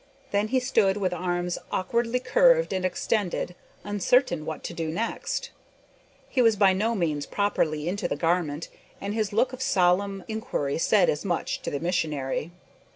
Then he stood with arms awkwardly curved and extended, uncertain what to do next. He was by no means properly into the garment, and his look of solemn inquiry said as much to the missionary.